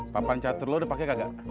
papan catur lo udah pake nggak